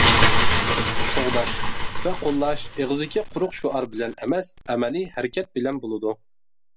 قوغداش ۋە قوللاش ئېغىزدىكى قۇرۇق شوئار بىلەن ئەمەس ئەمەلىي ھەرىكەت بىلەن بولىدۇ.